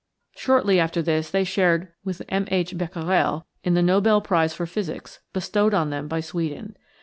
Shortly after this they shared with M. H. Becquerel in the Nobel prize for physics bestowed on them by Sweden.